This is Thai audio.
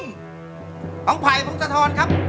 ทสปังไฟพร้องทะทัลครับ